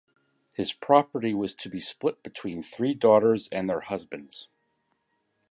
His property was to be split between three daughters and their husbands.